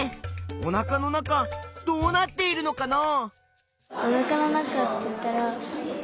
おなかの中どうなっているのかな？